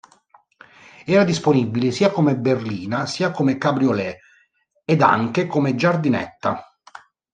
Era disponibile sia come berlina, sia come cabriolet ed anche come giardinetta.